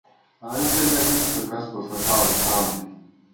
Ancha llakisqa kaspa sasawan samay.